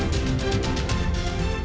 terima kasih bang frits